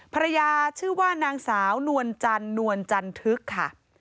ภรรยาชื่อว่านางสาวนวลจันนวลจันทึกค่ะ